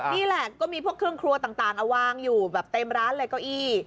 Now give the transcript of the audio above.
นี่แหละก็มีพวกเครื่องครัวต่างเอาวางอยู่แบบเต็มร้านเลยเก้าอี้